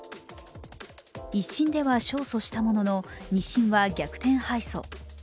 一審では勝訴したものの二審は逆転敗訴。